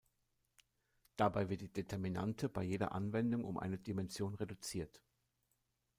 Dabei wird die Determinante bei jeder Anwendung um eine Dimension reduziert.